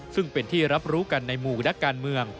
ซึ่งเป็นที่รับรู้กันในหมู่นักการเมือง